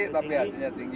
iya biaya operasinya tinggi